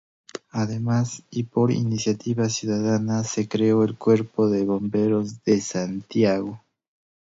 Además, y por iniciativa ciudadana, se creó el Cuerpo de Bomberos de Santiago.